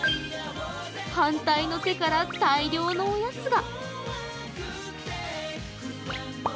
反対の手から大量のおやつが。